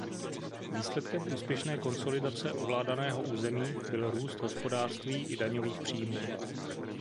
Výsledkem úspěšné konsolidace ovládaného území byl růst hospodářství i daňových příjmů.